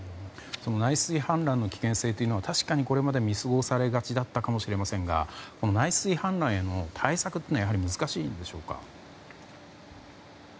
内水氾濫の危険性というのは確かにこれまで見過ごされがちだったかもしれませんが内水氾濫への対策というのはやはり難しいんでしょうか。